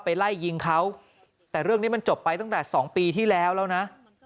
ไล่ยิงเขาแต่เรื่องนี้มันจบไปตั้งแต่๒ปีที่แล้วแล้วนะ